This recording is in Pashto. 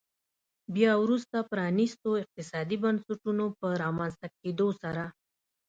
بیا وروسته پرانیستو اقتصادي بنسټونو په رامنځته کېدو سره.